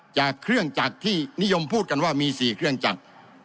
จากเครื่องจักรที่นิยมพูดกันว่ามี๔เครื่องจักร